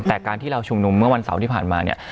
แต่การที่เราชุมนุมเมื่อวันเสาร์ที่ผ่านมาเนี่ย